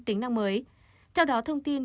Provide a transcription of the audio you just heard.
tính năng mới theo đó thông tin